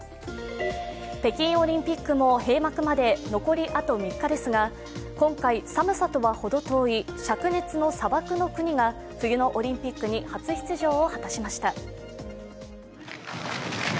北京オリンピックも閉幕まで残りあと３日ですが、今回、寒さとは程遠いしゃく熱の砂漠の国が冬のオリンピックに初出場を果たしました。